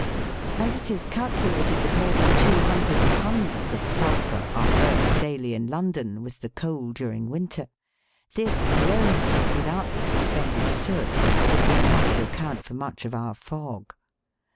As it is calculated that more than two hundred tons of sulphur are burnt daily in London with the coal during winter, this alone, without the suspended soot, would be enough to account for much of our fog.